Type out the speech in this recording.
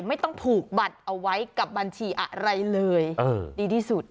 ไม่ต้องผูกบัตรเอาไว้กับบัญชีอะไรเลยดีที่สุด